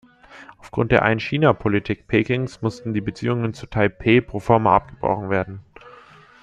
Aufgrund der Ein-China-Politik Pekings mussten die Beziehungen zu Taipeh pro forma abgebrochen werden.